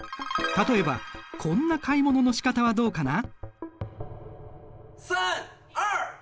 例えばこんな買い物のしかたはどうかな？